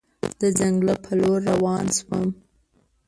د ځنګله په لور روان شوم.